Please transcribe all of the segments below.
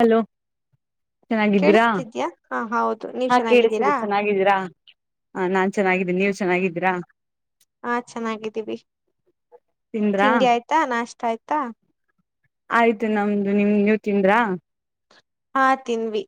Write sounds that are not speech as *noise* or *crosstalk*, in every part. Hello ಚೆನ್ನಾಗಿದ್ದೀರಾ ಕೇಳಿಸತಿದ್ಯಾ ಹಾ ಹೌದು ನೀವ್ ಹಾ ಚೆನ್ನಾಗಿದ್ದೀರಾ ಕೇಳಿಸ್ತಿದೆ ಚೆನ್ನಾಗಿದ್ದೀರಾ ಹ ನಾನ್ ಚೆನ್ನಾಗಿದ್ದೇನಿ ನೀವ್ ಚೆನ್ನಾಗಿದ್ದೀರಾ ಹಾ ಚೆನ್ನಾಗಿದ್ದೀವಿ ತಿಂದ್ರಾ ತಿಂಡಿ ಆಯ್ತಾ ನಾಷ್ಟ ಆಯ್ತಾ ಆಯ್ತು ನಮ್ದು ನಿಮ್ ನೀವು ತಿಂದ್ರಾ ಹಾ ತಿನ್ವಿ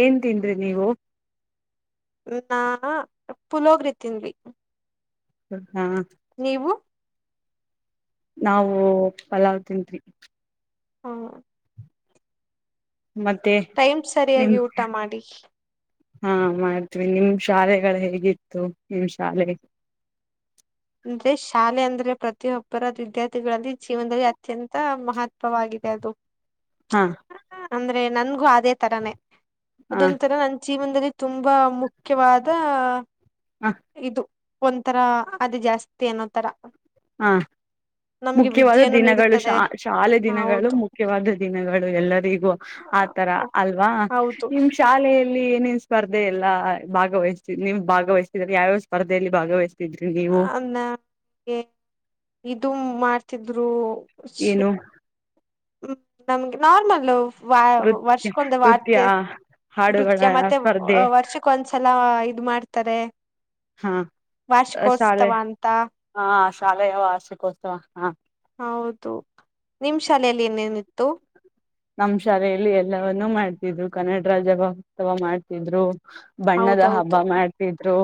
ಏನ್ ತಿಂದ್ರಿ ನೀವು ನಾ ಪುಲೋಗ್ರಿ ತಿನ್ವಿ ಹಾ ನೀವು ನಾವು ಪಲಾವ್ ತಿನ್ದ್ವಿ ಹ್ಮ ಮತ್ತೆ ಟೈಮ್ ನಿಮ ಸರಿಯಾಗಿ ಊಟ ಮಾಡಿ ಹಾ ಮಾಡ್ತವಿ ನಿಮ್ ಶಾಲೆಗಳು ಹೇಗಿತ್ತು ನಿಮ್ ಶಾಲೆ ಅಂದ್ರೆ ಶಾಲೆ ಅಂದ್ರೆ ಪ್ರತಿಯೊಬ್ಬರ ವಿದ್ಯಾರ್ಥಿಗಳಲ್ಲಿ ಜೀವನದಲ್ಲಿ ಅತ್ಯಂತ ಮ ಮಹತ್ವವಾಗಿದೆ ಅದು ಹಾ ಅಂದ್ರೆ ನನ್ಗೂ ಅದೇ ತರಾನೇ ಹಾ ಅದೊಂದು ತರ ನನ್ ಜೀವನದಲ್ಲಿ ತುಂಬಾ ಮುಖ್ಯವಾದ ಹ ಇದು ಒಂಥರ ಅದು ಜಾಸ್ತಿ ಅಏನ್ನೋ ತರ ಹಾ ನಮ್ಗೆ ಮುಖ್ಯವಾದ ವಿದ್ಯೆಯನ್ನು ದಿನಗಳು ಶಾ ನೀಡುತ್ತದೆ ಶಾಲೆ ದಿನಗಳು ಹೌದು ಮುಖ್ಯವಾದ ದಿನಗಳು ಎಲ್ಲರಿಗೂ ಆತರ ಅಲ್ವಾ ಹೌದು ನಿಮ ಶಾಲೆ ನಿನ್ ಸ್ಪರ್ಧೆ ಎಲ್ಲಾ ಭಾಗವಹಿಸ್ತ ನೀ್ ಭಾಗವಹ್ತಿದ್ರ ಯಾವ್ಯಾವ ಸ್ಪರ್ಧೆಯಲ್ಲಿ ಭಾಗವಹಿಸ್ತ ನಂಗೆ ಇದದು ಮಾಡ್ತಿದ್ರು ಏನು ಹ್ಮ ನಮ್ಗೆ ನಾರ್ಮಲ್ ವ ನೃತ್ಯ ವರ್ಷಕ್ಕೊಂದು ನೃತ್ಯ ವಾರ್ತೆ ಹಾಡುಗಳ ನೃತ್ಯ ಮತ್ತೆ ಸ್ಪರ್ಧೆ ವರ್ಷಕ್ಕ ಒಂದ್ಸಲ ಇದ ಮಾಡ್ತಾರೆ ಹಾ ಶಾಲೆ ವಾರ್ಷಿಕೋತ್ಸವ ಅಂತ ಹಾ ಶಾಲೆಯ ವಾರ್ಷಿಕೋತ್ಸವ ಹಾ ಹೌದು ನಿಮ ಶಾಲೆಯಲ್ಲಿ ಏನೇನಿತ್ತು ನಮ್ಮ್ ಶಾಲೆಯಲ್ಲಿ ಎಲ್ಲವವನ್ನುೂ ಮಾಡ್ತಿದ್ರು ಕನ್ನಡ ರಾಜ್ಯ ಮಹೋತ್ಸವ ಮಾಡ್ತಿದ್ರು ಬಣ್ಣದ ಹೌದೌದು ಹಬ್ಬ ಮಾಡ್ತಿದ್ರು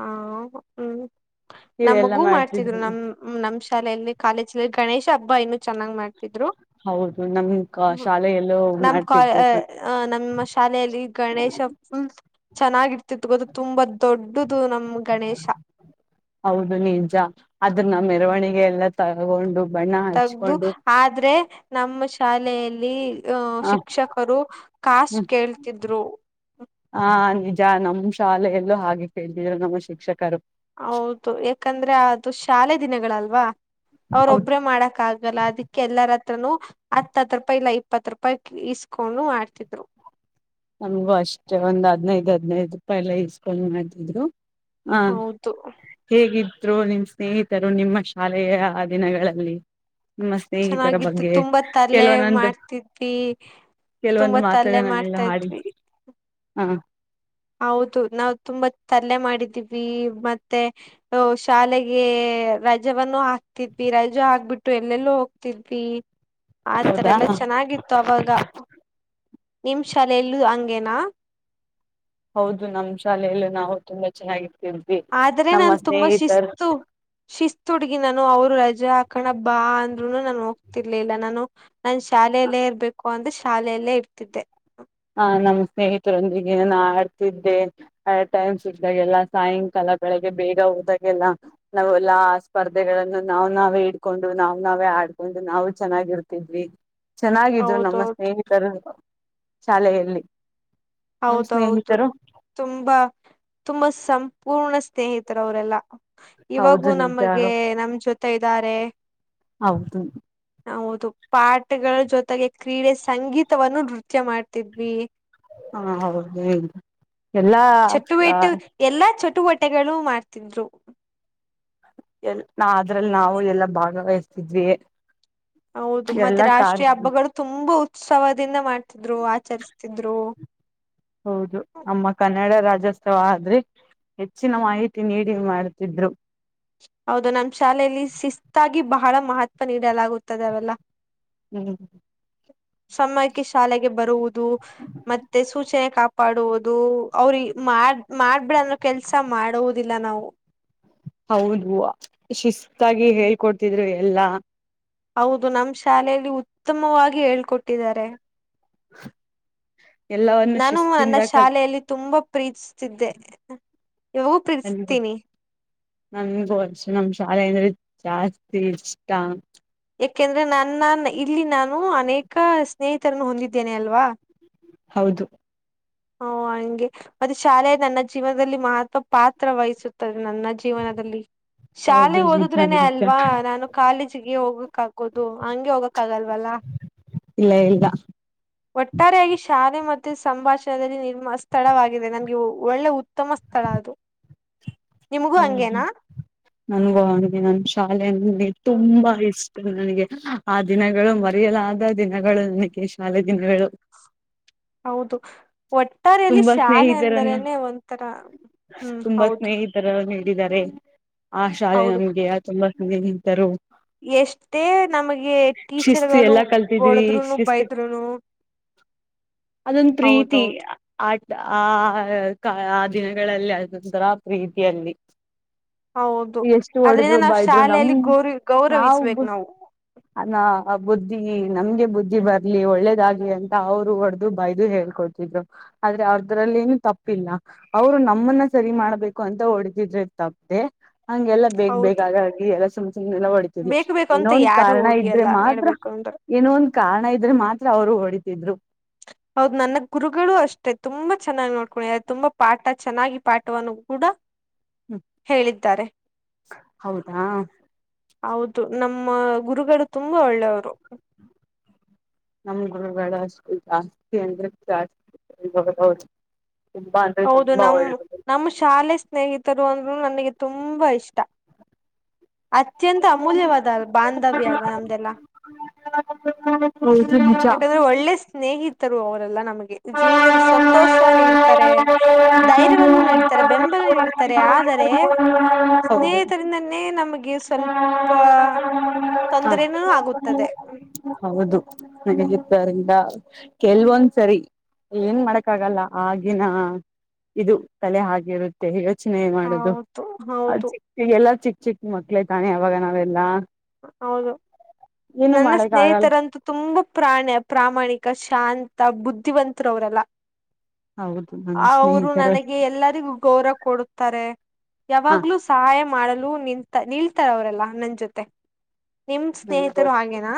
ಹಾ ಹ್ಮ್ ನಮ್ಮಗೂ ಮಾಡ್ತಿದ್ರು ನಮ ನಮ್ ಶಾಲೆಯಲ್ಲಿ ಕಾಲೇಜ್ಲ್ಲಿ ಗಣೇಶ ಹಬ್ಬ ಇನ್ನುೂ ಚೆನ್ನಾಗ್ ಮಾಡ್ತಿದ್ರು ಹೌದು ನಮ್ ಕ- ್ಮ ಶಾಲೆಯಲ್ಲೂ ನಮ್ ಕ ಮಾಡ್ತಿದ್ರು ಕಣ್ ನಮ್ಮ ಶಾಲೆಯಲ್ಲಿ ಗಣೇಶ ಹ ಚೆನ್ನಾಗಿರ್ತಿತ್ತು ಗೊತ್ತ ತುಂಬಾ ದೊಡ್ಡ ಹೌದು ನಿಜ ಅದ್ರನ್ನ ಮೆರವಣಿಗೆ ಎಲ್ಲ ತಗೊಂಡು ಬಣ್ಣ ತಗ್ದದು ಹಚ್ಕೊಂಡು ಆದ್ರೆ ನಮ್ಮ ಶಾಲೆಯಲ್ಲಿ ಅಹ ಆ ಶಿಕ್ಷಕರು ಕಾಸ್ಟ್ ಹ್ಮ್ ಕೇಳ್ತಿದ್ರು ನಮ್ಮ್ ಶಾಲೆಯಲ್ಲೂ ಹಾಗೆ ಕೇಳ್ತಿದರು ನಮ್ಮ ಶಿಕ್ಷಕರು ಹೌದು ಯಾಕಂದ್ರೆ ಅದು ಶಾಲೆ ದಿನಗಳಲ್ವಾ ಹೌದು ಅವ್ರೊಬ್ರೇ ಮಾಡಕ್ ಆಗಲ್ಲ ಅದಕ್ಕೆ ಎಲ್ಲರತ್ರ ಹತ್ತತ್ ರೂಪಾಯಿ ಇಲ್ಲ ಇಪ್ಪತ್ತು ರೂಪಾಯಿ ಇಸ್ಕೊಂಡು ಮಾಡ್ತಿದ್ರು ನಮಗೂ ಅಷ್ಟೇ ಒಂದ್ ಹದ್ೈದು್ ಹದ್ನೈದು್ ರೂಪಾಯಿ ಎಲ್ಲಾ ಇಸ್ಕೊಂಡ ಮಾಡ್ತಿದ್ರು ಹಾ ಹೌದು ಹೇಗಿದ್ದ ರು ನಿಮ್ಮ್ ಸ್ನೇಹಿತರು ನಿಮ್ಮ ಶಾಲೆಯ ದಿನಗಳಲ್ಲಿ ನಿಮ್ಮ ಸ್ನೇಹಿತರ ಚೆನ್ನಾಗಿತ್ತು ಬಗ್ಗೆ ತುಂಬಾ ತರ್ಲೆ ಕೆಲವ ನಂದು ಮಾಡ್ತಿದ್ವಿ ಕೆಲವೊಂದು ತುಂಬಾ ತರ್ಲೆ ಮಾತುಗಳನ್ನ ಎಲ್ಲ ಮಾಡ್ತಾ ಹಾಡಿ ಇದ್ವಿ ಹಾ ಲ್ಲ ಮಾಡಿದ್ವಿ ಮತ್ತೆ ಶಾಲೆಗೆ ರಜೆವನ್ನು ಹಾಕ್ತಿದ್ವಿ ರ ರಜ ಆಗ್ಬಿಟ್ಟು ಎಲ್ಲೆಲ್ಲ ಹೋಗ್ತಿದ್ವಿ ಆತರೆ ಹೌದಾ ಎಲ್ಲ ಚೆನ್ನಾಗಿತ್ತು ಅವಾಗ ನಿಮ್ ಶಾಲೆ ಎಲ್ಲೂ ಹಂಗೇನಾ ಹೌದು ನಮ್ಮ್ ಶಾಲೆಯಲ್ಲೂ ನಾವು ತುಂಬಾ ಚೆನ್ನಾಗಿ ಆದ್ರೆ ನಾು ತುಂಬಾ ಶಿಸ್ತು ಶಿಸ್ತು ಹಗಿ ನಾನು ಅವ್ರು ರಜೆ ಹಾಕೊಂಡಬ್ಬಾ ಅಂದ್ರುನು ನಾನು ಹೋಗ್ತಿರ್ಲಿಲ್ಲ ನಾನು ನಾ ಶಾಲೆಯಲ್ಲೇ ಇರ್ಬೇಕು ಅಂದ್ರೆ ಶಾಲೆಯಲ್ಲೇ ಇರ್ತಿದ್ದೆ ಹ ನಮ್ಮ್ ಸ್ನೇಹಿತರೊಂದಿಗೆಾನ ಆಡ್ತಿದ್ದೆ ಆ ಟೈಮ್ ಸಟ್ಟ್ದಾಗ ಎಲ್ಲ ಸಾಯಂಕಾಲ ಿಗೆ ಬೇಗ ಹೋದಾಗೆಲ್ಲ ನಾವವುೆಲ್ಲಾ ಆ ಸ್ಪರ್ಧೆಗಳನ್ನು ನಾವ್ ನಾವೇ ಇಡ್ಕೊಂಡು ನಾವ್ ನಾವೇ ಆಡ್ಕೊಂಡು ನಾವು ಚೆನ್ನಾಗಿರ್ತಿದ್ವಿ ಚೆನ್ನಾಗಿದ್ರು ನಮ್ಮ ಹೌದೌದು ಸ್ನೇಹಿತರು ಶಾಲೆಯಲ್ಲಿ ನಿಮ್ ಹೌದೌದು ಸ್ನೇಹಿತರು ತುಂಬಾ ತುಂಬಾ ಸಂ ಪೂರ್ಣ ಸ್ನೇಹಿತರ ಅವರೆಲ್ಲ ಹೌದು ಇವಾಗೂ ನಮಗೆ ನಿಜಾರು ನಮ ಜೊತೆ ಇದ್ದಾರೆ ಹೌದು ಹೌದು ಪಾಠಗಳ ಜೊತೆಗೆ ಕ್ರೀಡೆ ಸಂಗೀತವನ್ನು ನೃತ್ಯ ಮಾಡ್ತಿದ್ವಿ. ಹಾ ಹೌದು ಎಲ್ಲಾ ಟ್ಟ *unintelligible* ಬಟ್ಟೆಗಳು ಮಾಡ್ತಿದ್ರು. ಎಲ್ ನಾ ಅದ್ರಲ್ಲಿ ನಾವು ಎಲ್ಲಾ ಭಾಗವಹಿಸ್ತಿದ್ವಿ. ತು ಮತ್ತ ಎಲ್ಲಾ ರಾಷ್ಟ್ರೀಯ ಕಾರ್ಯ ಹಬ್ಬಗಳು ತುಂಬಾ ಉತ್ಸವದಿಂದ ಮಾಡ್ತಿದ್ರು ಆಚರಿಸ್ತಿದ್ರು. ಹೌದು ನಮ್ಮ ಕನ್ನಡ ರಾಜ್ಯ ಜೋತ್ಸವ ಆದ್ರೆ ಹೆಚ್ಚಿನ ಮಾಹಿತಿ ನೀಡಿ ಮಾಡ್ತಿದ್ರು. ಹೌದು ನಮ್ಮ ಶಾಲೆಯಲ್ಲಿ ಶಿಸ್ತಾಗಿ ಬಹಳ ಮಹತ್ವ ನೀಡಲಾಗುತ್ತದೆ ಅವೆಲ್ಲ. ಹ್ಮ್ ಸಮಯಕ್ಕೆ ಶಾಲೆಗೆ ಬರುವುದು ಮತ್ತೆ ಸೂಚನೆ ಕಾಪಾಡುವುದು ಅವ್ರೀಗ ಮಾಡ ಮಾಡ್ಬಿಡ ಅಂದ್ರ ಕೆಲ್ಸ ಮಾಡುವುದಿಲ್ಲ ನಾವು. ಹೌದು ಶಿಸ್ತಾಗಿ ಹೇಳ್ಕೊಡ್ತಿದ್ರು ಎಲ್ಲಾ. ಹೌದು ನಮ್ಮ ಶಾಲೆಯಲ್ಲಿ ಉತ್ತಮವಾಗಿ ಹೇಳ್ಕೊಟ್ಟಿದ್ದಾರೆ. ಎಲ್ಲವನ್ನು ನಾನು ನನ್ನ ಶಿಸ್ತಿಂದ ಕಲ್ ಶಾಲೆಯಲ್ಲಿ ತುಂಬಾ ಪ್ರೀತಿಸ್ತಿದ್ದೆ ಇವಾಗೂ ಪಿರಸ್ತೀನಿ. ನಮಗೂ ಅಷೆ ನಮ್ ಶಾಲೆ ಅಂದ್ರೆ ಜಾಸ್ತಿ ಇಷ್ಟ. ಯಾಕೆಂದ್ರೆ ನನ್ನ ಇಲ್ಲಿ ನಾನು ಅನೇಕ ಸ್ನೇಹಿತರನ್ನು ಹೊಂದಿದ್ದೇನೆ ಅಲ್ವಾ. ಹೌದು ಹು ಹಂಗೆ ಮತ್ತೆ ಶಾಲೆ ನನ್ನ ಜೀವನದಲ್ಲಿ ಮಹತ್ವ ಪಾತ್ರ ವಹಿಸುತ್ತದೆ. ನನ್ನ ಜೀವನದಲ್ಲಿ ಹೌದು ಶಾಲೆ ನಿಜ ಓದದ್ರೇನೆ ನಿಜ ಅಲ್ವಾ ನಾನು ಕಾಲೇಜಿಗೆ ಹೋಗಕ್ ಆಗೋದು ಹಂಗೆ ಹೋಗಕ್ ಆಗಲ್ವಲ್ಲ. ಇಲ್ಲ ಇಲ್ಲ. ಒಟ್ಟಾರೆಯಾಗಿ ಶಾಲೆ ಮತ್ತು ಸಂಭಾಷ *unintelligible* ನಿರ್ಮಾ ಸ್ಥಳವಾಗಿದೆ ನನ್ಗೆ ಒಳ್ಳೆ ಉತ್ತಮ ಸ್ಥಳ ಅದು ನಿಮಗೂ ಹೌದು ಹಂಗೇನಾ. ನನ್ಗೂ ಹಾಗೆ ನನ್ ಶಾಲೆೆ ಅಂದ್ರೆ ಹ್ಮ ತುಂಬಾ ಇಷ್ಟ ನನಗೆ. ಆ ದಿನಗಳು ಮರೆಯಲಾದ ದಿನಗಳು ನನಗೆ ಶಾಲೆ ದಿನಗಳು. ಹೌದು ಒಟ್ಟಾರೆಯಲ್ಲಿ ತುಂಬಾ ಶಾಲೆ ಸ್ನೇಹಿತರನ್ನು ಅಂದ್ರೇನೆ ಒಂಥರ ಹ್ಮ್ ಹೌದು. ನೀದ್ದಾರೆ ಆ ಶಾಲೆ ಹೌದು ನಮ್ಗೆ ತುಂಬಾ *unintelligible* ಚಂದೆ ನಿಂತರು ಎಷ್ಟೇ ನಮಗೆ ಶಿಸ್ತು ಟೀಚರ್ಗಳು ಎಲ್ಲಾ ಹೊಡದ್ರುನು ಬೈದ್ರುನು. ಅದೊಂದ ಪ್ರೀತಿ. ಹೌದೌದು ಆಟ ಆ ಕ ಆ ದಿನಗಳಲ್ಲಿ ಆದೊಂತರಾ ಪ್ರೀತಿ ಅಲ್ಲಿ. ಹೌದು ಎಷ್ಟು ಅದ್ರಿಂದ ಹೊಡದ್ರು ನಾವ್ ಬೈದ್ರು ನಮ್ ಶಾಲೆಯಲ್ಲಿ ಗೌರಿ ನಾವ ಗೌರವಿಸ್ಬೇಕ್ ನಾವು ಅನಾ ಆ ಬುದ್ಧಿ ನಮ್ಗೆ ಬುದ್ಧಿ ಬರ್ಲಿ ಒಳ್ಳೇದಾಗ್ಲಿ ಅಂತ ಅವ್ರು ಹೊಡದು ಬಯ್ದು ಹೇಳ್ಕೊಡತಿದ್ರು. ಆದ್ರೆ ಅವದ್ರಲ್ಲೇನು ತಪ್ಪಿಲ್ಲ ಅವರು ನಮ್ಮನ್ನ ಸರಿ ಮಾಡ್ಬೇಕು ಅಂತ ಹೊಡೆತಿದ್ರೆ ತಪ್ಪೆ ಹಂಗೆಲ್ಲ ಬೇಗ್ ಬೇಗ ಹೌದು ಆಗಾಗಿ ಎಲ್ಲ ಸುಮ್ ಸುಮ್ಮ್ನೆಲ್ಲ ಹೊಡಿತಿದ ಬೇಕು ಬೇಕು ಏನೋ ಅಂತ ಒಂದ ಯಾರು ಕಾರಣ ಇದ್ರೆ ಹೊಡಿಯಲ್ಲ ಮಾತ್ರ. ಹೇಳ್ಬೇಕು ಅಂದ್ರೆ ಏನೋ ಒಂದ್ ಕಾರಣ ಇದ್ರೆ ಮಾತ್ರ ಅವರು ಹೊಡಿತಿದ್ರು. ಹೌದು ನನ್ನ ಗುರುಗಳು ಅಷ್ಟೇ ತುಂಬಾ ಚೆನ್ನಾಗಿ ನೋಡ್ಕೊಂಡಿ *unintelligible* ತುಂಬಾ ಪಾಠ ಚೆನ್ನಾಗಿ ಪಾಠವನ್ನು ಕೂಡ. ಹ್ಮ್ ಹೇಳಿದ್ದಾರೆ ಹೌದಾ ಹೌದು ನಮ್ಮ ಗುರುಗಳು ತುಂಬಾ ಒಳ್ಳೆಯವರು. ನಮ್ ಗುರುಗಳು ಅಷ್ಟು ಜಾಸ್ತಿ ಅಂದ್ರೆ ಜಾಸ್ತಿ *unintelligible* ಇಾಗ ಹೌದು ನಮ ನಮ್ಮ ಶಾಲೆ ಸ್ನೇಹಿತರು ಅಂದ್ರು ನನಗೆ ತುಂಬಾ ಇಷ್ಟ. ಅತ್ಯಂತ ಅಮೂಲ್ಯವಾದ ಅಲ್ ಬಾಂಧವ್ಯ ಅಲ್ವಾ ನಮ್ದೆಲ್ಲ. ಹ ಹ ಹ *unintelligible* ಯಾಕಂದ್ರೆ ಒಳ್ಳೆ ಸ್ನೇಹಿತರು ಅವರೆಲ್ಲಾ ನಮ್ಗೆ ಜೀವನದಲ್ಲಿ ಸಂತೋಷ ನೀಡ್ತಾರೆ. ಧೈರ್ಯವನ್ನು ನೀಡ್ತಾರೆ ಬೆಂಬಲ ನೀಡುತ್ತಾರೆ ಆದರೆ. ಹೌದು ಸ್ನೇಹಿತರಿಂದನೇ ನಮ್ಮ. ನಮಗೆ ಹಾ ಸ್ವಲ್ಪ ತೊಂದರೆನೂ ಆಗುತ್ತದೆ ಹೌದು ಹಗಿರ್ತ್ತರಿಂದ ಕೆಲ್ವೊಂದ್ ಸರಿ ಏನ್ ಮಾಡಕ್ಕಗಲ್ಲ ಆಗಿನ ಇದು ತಲೆ ಹಾಗೆರುತ್ತೆ ರಚ್ನೆ ಮಾಡುದು ಹೌದು ಅದು ಹೌದು ಚಿಕ್ಕ ಚ ಎಲ್ಲ ಚಿಕ್ಕ ಚಿಕ್ಕ ಮಕ್ಳೇ ತಾನೆ ಅವಾಗ ನಾವೆಲ್ಲ ಹೌದು ನನ್ನ ಮಾಡಕ್ ಆಗಲ್ಲ ಸ್ನೇಹಿತರಂತೂ ತುಂಬಾ ಪ್ರಾಣ ಪ್ರಾಮಾಣಿಕ ಶಾಂತ ಬುದ್ಧಿವಂತರವರೆಲ್ಲ ಹೌದು ನನ್ ಅವರು ಸ್ನೇಹಿತರ ನನಗೆ ಎಲ್ಲರಿಗೂ ಗೌರವ ಕೊಡುತ್ತಾರೆ ಹಾ ಯಾವಾಗ್ಲೂ ಸಹಾಯ ಮಾಡಲು ನಿತ ನಿಲ್ತಾರ ಅವರೆಲ್ಲಾ ನನ್ ಜೊತೆ ನಿಮ್ ನ ಬ ಸ್ನೇಹಿತರು ಹಾಗೇನಾ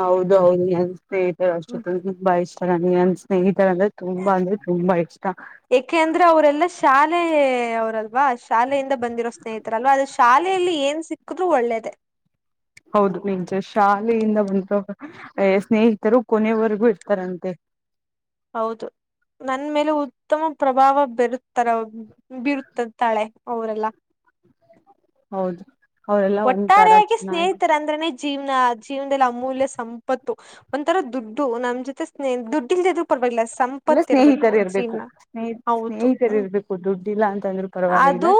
ಹೌದು ಹೌದುನ್ ಸ್ನೇಹಿತರ ಅಷ್ಟೊ ಹ್ಮ್ ಬಾಯತ ಸ್ನೇ ಯಏಕೆ ಅಂದ್ರೆ ಅವರೆಲ್ಲಾ ಶಾಲೆ ಅವರಲ್ವಾ ಶಾಲೆಯಿಂದ ಬಂದಿರೋ ಸ್ನೇಹಿತರಲ್ವಾ ಅದು ಶಾಲೆಯಲ್ಲಿ ಏನ್ ಸಿಕ್ಕಿದ್ರು ಒಳ್ಳೇದ ಹೌದು ನಿಂಚೆ ಶಾಲೆಯಿಂದ ಬಂದು ಸ್ನೇಹಿತರು ಕೊನೆಯವರೆಗೂ ಇರ್ತಾರಂತೆ *inaudible* ಹೌದು ನನ್ ಮೇಲೆ ಉತ್ತಮ ಪ್ರಭಾವ ಬರುತ್ತಾರ ಬಿರುತದೆ ತಾಳೆ ಅವರೆಲ್ಲ ಹೌದು ಅವರೆಲ್ಲ ಒಂತರ ಒಟ್ಟಾರೆಯಾಗಿ ಚೆನ್ನಾಗಿ ಸ್ನೇಹಿತರಂದ್ರನೇ ಜೀವನ ಜೀವನದಲ್ಲಿ ಅಮೂಲ್ಯ ಸಂಪತ್ತು ಒಂಥರ ದುಡ್ಡು ನಮ್ಮ್ ಜೊತೆ ಸ್ನೇಹ ದುಡ್ಡಿಲ್ದು ಪರವಾಗಿಲ್ಲ ಇಲ್ಲ ಸಂಪತ್ತ ಇರ್ಬೇಕು ಸ್ನೇಹಿತರು ಜೀರ್ಣ ಸ್ನೇಹ ಹೌದು ಸ್ನೇಹಿತರು ಹ್ಮ್ ಇರ್ಬೇಕು ದುಡ್ಡಿಲ್ಲ ಅಂತಂದ್ರೂ ಪರವಾಗಿಲ್ಲ ಅದು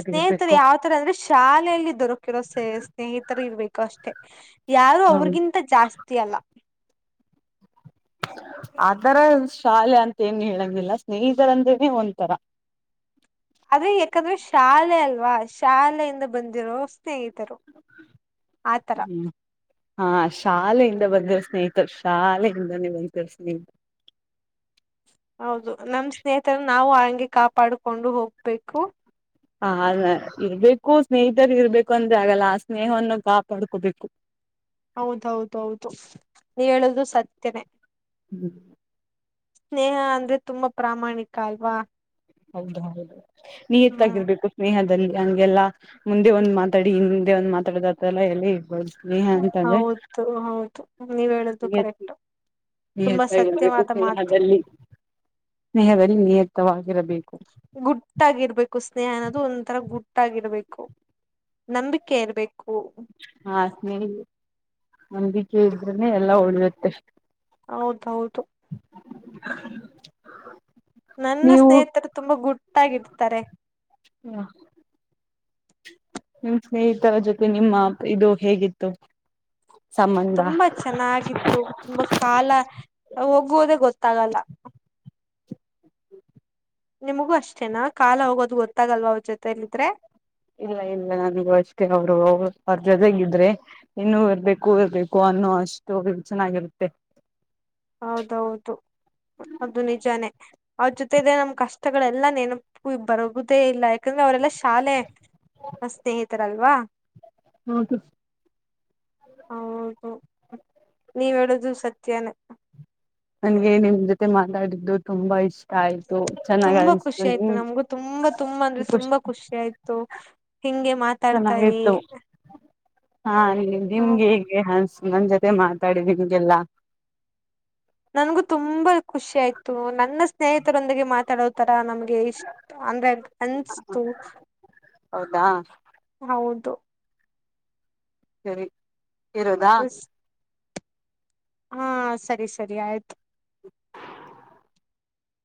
ಸ್ನೇಹಿತರು ಇರ್ಬೇಕು ಯಾವ ತರ ಅಂದ್ರೆ ಶಾಲೆಯಲ್ಲಿ ದೊರಕಿರ ಸ್ನೇಹಿತರು ಇರ್ಬೇಕು ಅಷ್ಟೆ ಯಾರು ಹೌದು ಅವ್ರಗಿಂತ ಜಾಸ್ತಿ ಅಲ್ಲ ಅದರ ಶಾಲೆ ಅಂತ ಏನ್ ಹೇಳಂಗಿಲ್ಲ ಸ್ನೇಹಿತರ ಅಂದೇನೆ ಒಥರ *inaudible* ಅದೇ ಯಾಕಂದ್ರೆ ಶಾಲೆ ಅಲ್ವಾ ಶಾಲೆಯಿಂದ ಬಂದಿರೋ ಸ್ನೇಹಿತರು ಆತರ ಹ್ಮ್ ಹಾ ಶಾಲೆಯಿಂದ ಬಂದರು ಸ್ನೇಹಿತರು ಶಾಲೆಯಿಂದಾನೇ ಬರ್ತರು ಸ್ನೇಹಿತ ಹೌದು ನಮ ಸ್ನೇಹಿತರು ನಾವು ಆ ಹಂಗೆ ಕಾಪಾಡ್ಕೊಂಡು ಹೋಗ್ಬೇಕು ಹ ಇರ್ಬೇಕು ಸ್ನೇಹಿತರು ಇರ್ಬೇಕು ಅಂದ್ರೆ ಆಗಲ್ಲ ಆ ಸ್ನೇಹವನ್ನು ಕಾಪಾಡ್ಕೋಬೇಕು ಹೌದೌದೌದು ನೀ ಹೇಳುದು ಸತ್ಯನೇ ಹ್ಮ್ ಸ್ನೇಹ ಅಂದ್ರೆ ತುಂಬಾ ಪ್ರಾಮಾಣಿಕ ಅಲ್ವಾ ಹೌದ ಹೌದು ನ ಹ್ಮ್ ಎತ್ತಾಗಿರ್ಬೇಕು ಸ್ನೇಹ ಹಂಗೆಲ್ಲ ಮುಂದೆ ಒಂದ್ ಮಾತಾಡಿ ಹಿಂದೆ ಒಂದು ಮಾತಾಡಿದತ್ರಲ್ಲ ಎಲ್ಲ ಇರ್ಬೋದು ಸ್ನೇಹ ಅಂತಂದ್ರೆ ಹೌದು ಹೌದು ನೀವ ಹೇಳ್ದದು ಕರೆಕ್ಟ್ ತುಂಬಾ ಇರಬೇಕು ಸತ್ಯವಾದ ಮಾತು ಸ್ನೇಹದಲ್ಲಿ ಸ್ನೇಹದಲ್ಲಿ ನಿಯತವಾಗಿರಬೇಕು ಗುಟ್ಟಾಗಿರ್ಬೇಕು ಸ್ನೇಹ ಅನ್ನೋದು ಒಂಥರ ಗುಟ್ಟಾಗಿರ್ಬೇಕು ನಂಬಿಕೆ ಇರ್ಬೇಕು ಹಾ ಸ್ನೇಹ ನಂದಿಕ ಇದ್ರನೆ ಎಲ್ಲಾ ಉಳಿಯುತ್ತೆಷ್ಟ ಹೌದೌದು *inaudible* ನನ್ನ ನೀವು ಸ್ನೇಹಿತರು ತುಂಬಾ ಗುಟ್ಟಾಗಿರ್ತಾರೆ. ಹ ನಿಮ್ ಸ್ನೇಹಿತರ ಜೊತೆ ನಿಮ್ಮ ಇದು ಹೇಗಿತ್ತು ಸಂಬಂಧ ತುಂಬಾ ಚೆನ್ನಾಗಿತ್ತು ತುಂಬಾ ಕಾಲ ಹೋಗ ಗೋದೆ ಗೊತ್ತಾಗಲ್ಲ ನಿಮಗೂ ಅಷ್ಟೇನಾ ಕಾಲ ಹೋಗೋದು ಗೊತ್ತಾಗಲ್ವ ಅವ್ರ ಜೊತೆಯಲ್ಲಿದ್ರೆ ಇಲ್ಲ ಇಲ್ಲ ನನಗೂ ಅಷ್ಟೇ ಅವರು ಅವ್ರ ಜೊತೆಗ ಇದ್ರೆ ಇನ್ನುೂ ಇರ್ಬೇಕು ಇರ್ಬೇಕು ಅ ಅಷ್ಟು ಚೆನ್ನಾಗಿರುತ್ತೆ ಹೌದೌದು ಅದು ನಿಜಾನೇ ಅವ್ರ ಜೊತೆ ನಮ್ ಕಷ್ಟಗಳೆಲ್ಲ ನೆನಪು ಬರುದೇ ಇಲ್ಲ ಯಾಕಂದ್ರೆ ಅವರೆಲ್ಲ ಶಾಲೆ ಸ್ನೇಹಿತರಲ್ವಾ. *inaudible* ಹೌದು ನೀವ ಹೇಳುದು ಸತ್ಯನೇ. ನನ್ಗೆ ನಿಮ್ ಜೊತೆ ಮಾತಾಡಿದ್ದು ತುಂಬಾ ಇಷ್ಟ. ಆಯ್ತು ಚೆನ್ನಾಗ್ ತುಂಬಾ ಅನ್ಸ್ತು ಖುಷಿ ಆಯ್ತು ನಿಮ್ ನಮಗು ತುಂಬಾ ತುಂಬಾ ಅಂದ್ರೆ ತುಂಬಾ ಖುಷಿ ಆಯ್ತು ಹಿಂಗೆ. ಮಾತಾಡ್ತಾ ಇರಿ. ಚೆನ್ನಾಗಿತ್ತು ಹಾ ಹ ನಿಮ್ಗೆ ಹೇಗೆ ಹನ್ ನನ್ ಜೊತೆ ಮಾತಾಡಿ ನಿಮ್ಗೆಲ್ಲ. ನನ್ಗೂ ತುಂಬಾ ಖುಷಿ ಆಯ್ತು ನನ್ನ ಸ್ನೇಹಿತರೊಂದಿಗೆ ಮಾತಾಡೋ. ತರ ನಮ್ಗೆ ಇಷ್ಟ ಅಂದ್ರೆ ಅನ್ಸತು. ಹೌದಾ. ಹೌದು. ಸರಿ ಇರೋದ. ಹಾ ಸರಿ ಸರಿ ಆಯ್ತು.